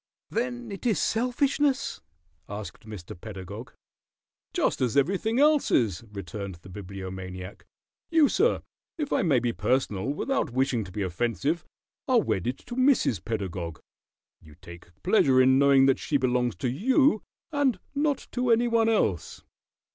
"Then it is selfishness?" asked Mr. Pedagog. "Just as everything else is," returned the Bibliomaniac. "You, sir, if I may be personal without wishing to be offensive, are wedded to Mrs. Pedagog. You take pleasure in knowing that she belongs to you and not to any one else.